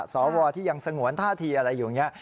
สวที่ยังสงวนท่าทีอะไรอยู่เนี่ย